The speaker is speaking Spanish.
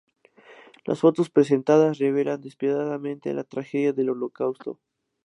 Las fotos presentadas revelan despiadadamente la tragedia, del Holocausto.